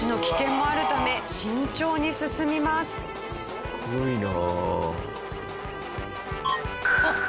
すごいな。